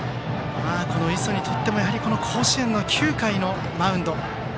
磯にとっても甲子園の９回のマウンド。